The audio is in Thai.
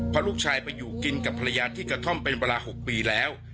เพราะลูกชายไปอยู่กินกับภรรยาที่กระท่อมเป็นเวลา๖ปีแล้ว